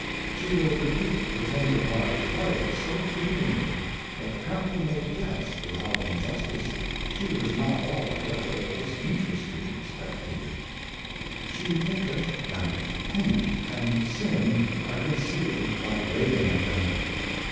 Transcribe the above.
She will repeat the tender part of a Play so feelingly, that the Company may guess, without Injustice, she was not altogether a dis interessed Spectator, She thinketh that Paint and Sin are concealed by railing at them.